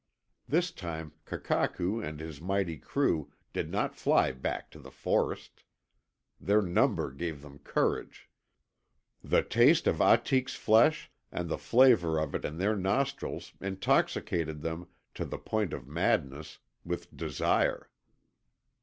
This time Kakakew and his mighty crew did not fly back to the forest. Their number gave them courage. The taste of Ahtik's flesh and the flavour of it in their nostrils intoxicated them, to the point of madness, with desire.